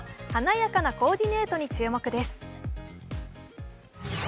華やかなコーディネートに注目です。